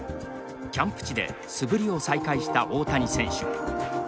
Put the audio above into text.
キャンプ地で素振りを再開した大谷選手。